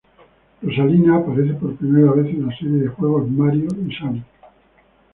Rosalina aparece por primera vez en la serie de juegos Mario y Sonic.